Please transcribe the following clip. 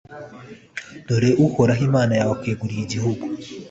dore uhoraho imana yawe akweguriye igihugu.